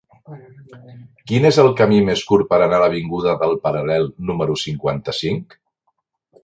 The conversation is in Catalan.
Quin és el camí més curt per anar a l'avinguda del Paral·lel número cinquanta-cinc?